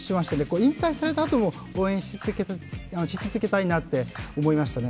引退されたあとも応援し続けたいなって思いましたね。